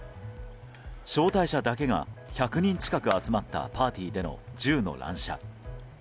招待者だけが１００人近く集まったパーティーでの銃の乱射。